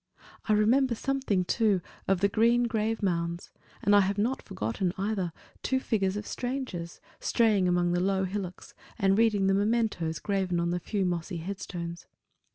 I remember something, too, of the green grave mounds; and I have not forgotten, either, two figures of strangers, straying among the low hillocks, and reading the mementos graven on the few mossy headstones.